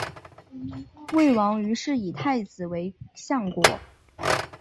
魏王于是以太子为相国。